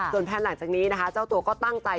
ส่วนแผนหลังจากนี้นะคะเจ้าตัวก็ตั้งใจ